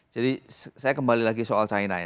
jadi saya kembali lagi soal china ya